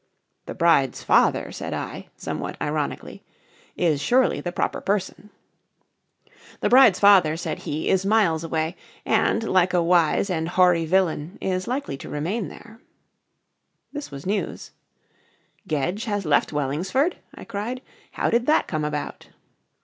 "The bride's father," said I, somewhat ironically, "is surely the proper person." "The bride's father," said he, "is miles away, and, like a wise and hoary villain, is likely to remain there." This was news. "Gedge has left Wellingsford?" I cried. "How did that come about?"